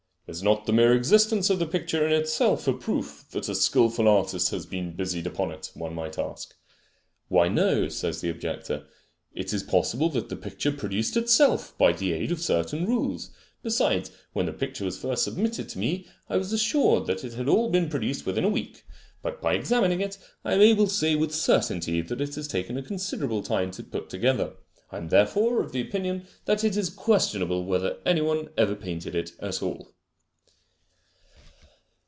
"Is not the mere existence of the picture in itself a proof that a skilful artist has been busied upon it? one might ask." "Why, no," says the objector. "It is possible that the picture produced itself by the aid of certain rules. Besides, when the picture was first submitted to me I was assured that it had all been produced within a week, but by examining it I am able to say with certainty that it has taken a considerable time to put together. I am therefore of opinion that it is questionable whether any one ever painted it at all."